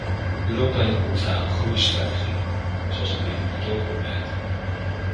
Europa heeft behoefte aan een groeistrategie, zoals u in uw betoog opmerkte.